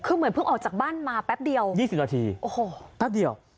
คือเหมือนเพิ่งออกจากบ้านมาแป๊บเดียว๒๐นาทีโอ้โหแป๊บเดียว